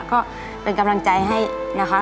ก็เป็นกำลังใจให้นะคะ